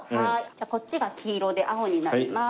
じゃあこっちが黄色で青になります。